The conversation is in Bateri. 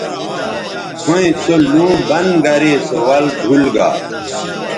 ھویں سو لُوں بند گرے سو ول بُھول گا